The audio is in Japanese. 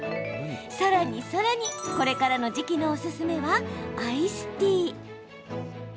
さらに、さらにこれからの時期おすすめはアイスティー。